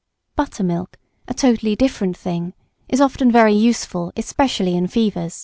Buttermilk, a totally different thing, is often very useful, especially in fevers.